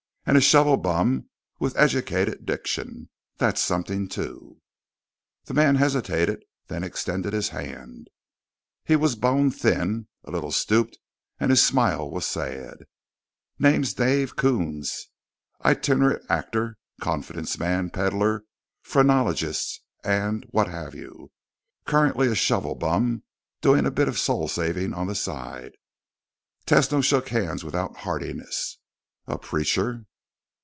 "And a shovel bum with educated diction. That's something, too." The man hesitated, then extended his hand. He was bone thin, a little stooped, and his smile was sad. "Name's Dave Coons. Itinerant actor, confidence man, peddlar, phrenologist, and what have you. Currently a shovel bum, doing a bit of soul saving on the side." Tesno shook hands without heartiness. "A preacher?"